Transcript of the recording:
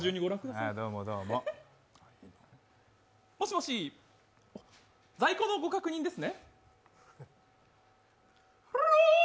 もしもし、在庫のご確認ですね。